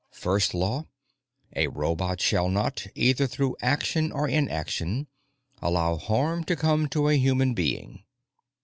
_First Law: A robot shall not, either through action or inaction, allow harm to come to a human being.